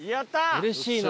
うれしいな。